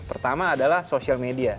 pertama adalah sosial media